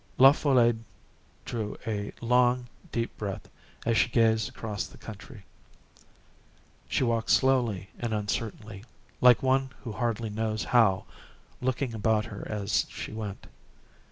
La Folle drew a long, deep breath as she gazed across the country. She walked slowly and uncertainly, like one who hardly knows how, looking about her as she went.